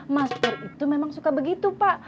mas pur itu memang suka begitu pak